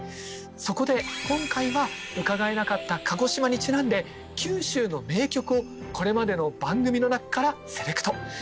そこで今回は伺えなかった鹿児島にちなんで九州の名曲をこれまでの番組の中からセレクト。